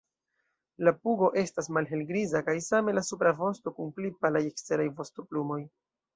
La pugo estas malhelgriza kaj same la supra vosto kun pli palaj eksteraj vostoplumoj.